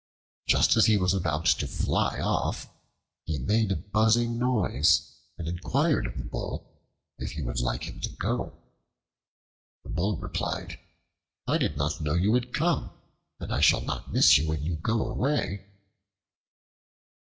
Just as he was about to fly off, he made a buzzing noise, and inquired of the Bull if he would like him to go. The Bull replied, "I did not know you had come, and I shall not miss you when you go away."